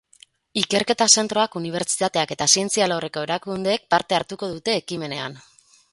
Ikerketa zentroak, unibertsitateak eta zientzia alorreko erakundeek parte hartuko dute ekimenean.